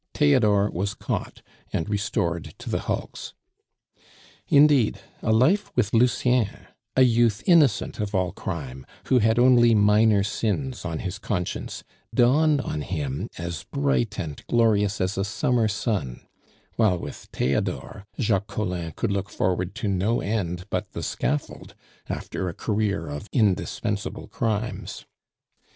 Theodore was caught and restored to the hulks. Indeed, a life with Lucien, a youth innocent of all crime, who had only minor sins on his conscience, dawned on him as bright and glorious as a summer sun; while with Theodore, Jacques Collin could look forward to no end but the scaffold after a career of indispensable crimes.